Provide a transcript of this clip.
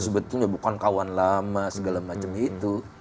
sebetulnya bukan kawan lama segala macam itu